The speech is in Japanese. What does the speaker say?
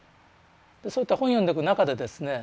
そういった本読んでいく中でですね